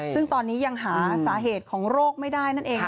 ซึ่งตอนนี้ยังหาสาเหตุของโรคไม่ได้นั่นเอง